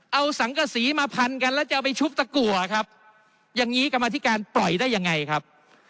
เอาสังกษีมาพันกันแล้วจะเอาไปชุบตะกัวครับอย่างนี้กรรมธิการปล่อยได้ยังไงครับ